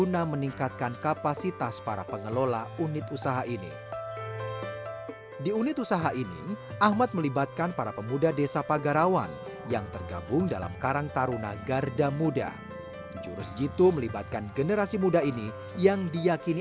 tidak terlanjurah kadang kadang ada yang tergantung suasana